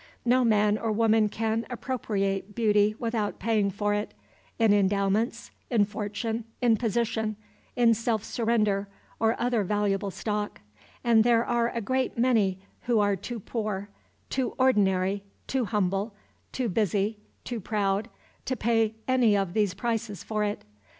No man or woman can appropriate beauty without paying for it, in endowments, in fortune, in position, in self surrender, or other valuable stock; and there are a great many who are too poor, too ordinary, too humble, too busy, too proud, to pay any of these prices for it.